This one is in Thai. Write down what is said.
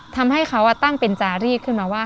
ทำให้เขาตั้งเป็นจารีดขึ้นมาว่า